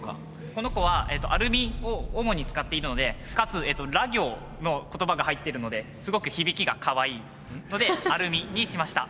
この子はアルミを主に使っているのでかつら行の言葉が入っているのですごく響きがかわいいので「あるみ」にしました。